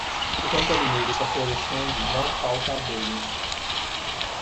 Enquanto a limeira está florescendo, não falta abelhas.